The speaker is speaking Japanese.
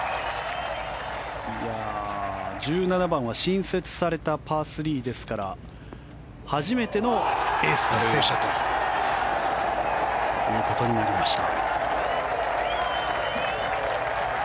１７番は新設されたパー３ですから初めてのエース達成者ということになりました。